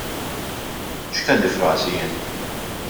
U x'kelli f'rasi jien?